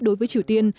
đối với triều tiên